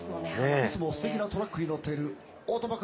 いつもすてきなトラックに乗っている大友君。